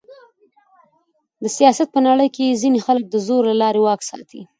د سیاست په نړۍ کښي ځينې خلک د زور له لاري واک ساتي.